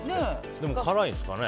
でも辛いんですかね。